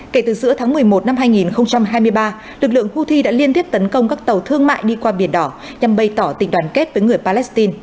kể từ giữa tháng một mươi một năm hai nghìn hai mươi ba lực lượng houthi đã liên tiếp tấn công các tàu thương mại đi qua biển đỏ nhằm bày tỏ tình đoàn kết với người palestine